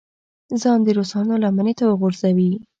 ځان د روسانو لمنې ته وغورځوي.